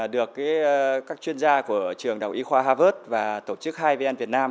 được các chuyên gia của trường đại học y khoa harvard và tổ chức hai vn việt nam